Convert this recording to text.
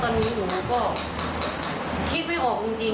ตอนนี้หนูก็คิดไม่ออกจริง